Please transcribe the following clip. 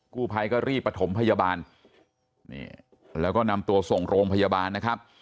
กู้ภัยก็รีบประถมพยาบาลนี่แล้วก็นำตัวส่งโรงพยาบาลนะครับ